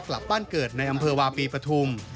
กลับบ้านเกิดในอำเภอวาปีปฐุม